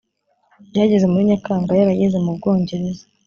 byageze muri nyakanga yarageze mu bwongereza